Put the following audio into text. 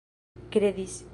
kredis